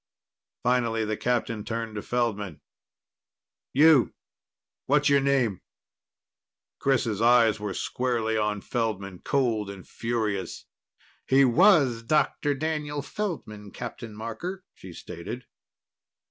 Finally the captain turned to Feldman. "You. What's your name?" Chris' eyes were squarely on Feldman, cold and furious. "He was Doctor Daniel Feldman, Captain Marker," she stated.